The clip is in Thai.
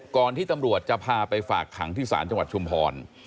ก่อนที่ตำรวจจะพาไปฝากขังที่ศาลจชุมภร